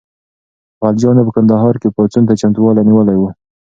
غلجیانو په کندهار کې پاڅون ته چمتووالی نیولی و.